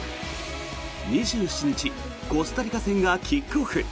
２７日、コスタリカ戦がキックオフ。